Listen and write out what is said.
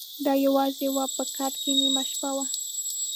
د ا یوازي وه په کټ کي نیمه شپه وه